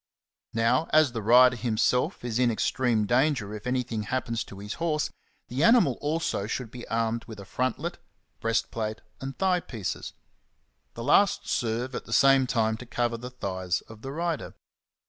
Now, as the rider himself is in extreme danger if anything happens to his horse, the animal also should be armed with a front let, breastplate, and thigh pieces ;^'^ the last serve at the same time to cover the thighs of the rider.